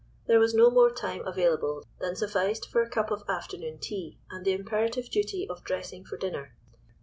There was no more time available than sufficed for a cup of afternoon tea and the imperative duty of dressing for dinner.